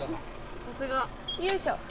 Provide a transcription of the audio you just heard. さすが。よいしょ。